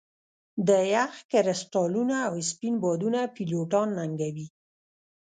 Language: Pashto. د یخ کرسټالونه او سپین بادونه پیلوټان ننګوي